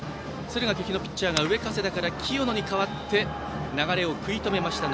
敦賀気比のピッチャーが上加世田から清野に代わって流れを食い止めました。